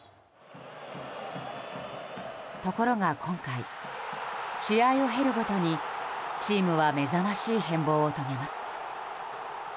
ところが今回、試合を経るごとにチームは目覚ましい変貌を遂げます。